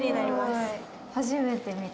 初めて見た。